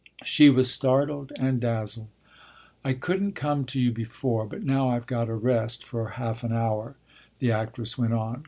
She was startled and dazzled. "I couldn't come to you before, but now I've got a rest for half an hour," the actress went on.